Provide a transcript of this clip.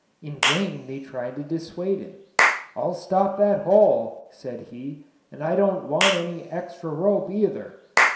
In vain they tried to dissuade him. "I'll stop that hole," said he, "and I don't want any extra rope, either."